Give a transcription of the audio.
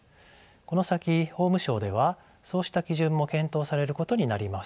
この先法務省ではそうした基準も検討されることになります。